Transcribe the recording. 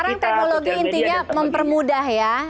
sekarang teknologi intinya mempermudah ya